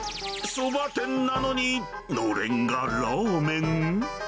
そば店なのにのれんがラーメン？